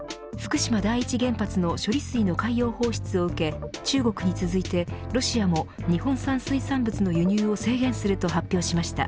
福島第一原発の処理水の海洋放出を受け中国に続いてロシアも日本産水産物の輸入を制限すると発表しました。